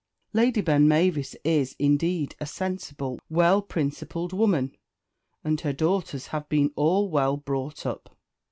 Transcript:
"Lady Benmavis is, indeed, a sensible, well principled woman, and her daughters have been all well brought up."